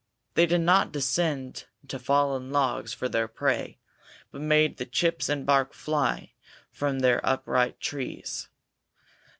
They did not descend to fallen logs for their prey but made the chips and bark fly from the upright trees.